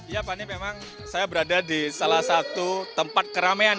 ya fani memang saya berada di salah satu tempat keramaian